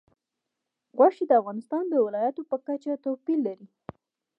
غوښې د افغانستان د ولایاتو په کچه توپیر لري.